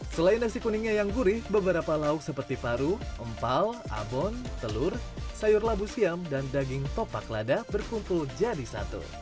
selain nasi kuningnya yang gurih beberapa lauk seperti paru empal abon telur sayur labu siam dan daging topak lada berkumpul jadi satu